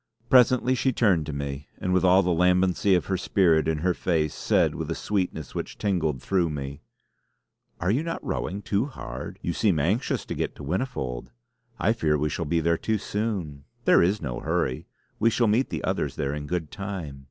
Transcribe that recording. Presently she turned to me, and with all the lambency of her spirit in her face, said with a sweetness which tingled through me: "Are you not rowing too hard? You seem anxious to get to Whinnyfold. I fear we shall be there too soon. There is no hurry; we shall meet the others there in good time.